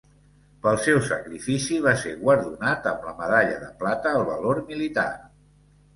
Pel seu sacrifici va ser guardonat amb la medalla de plata al valor militar.